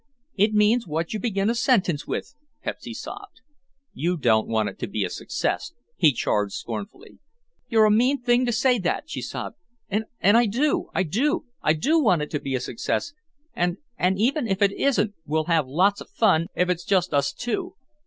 "It means what you begin a sentence with," Pepsy sobbed. "You don't want it to be a success," he charged scornfully. "You're a mean thing to say that," she sobbed, "and I do—I do—I do want it to be a success—and—and—even if it isn't we'll have lots of fun if it's just us two.